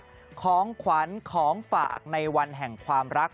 ของความรักของขวัญของฝากในวันแห่งความรัก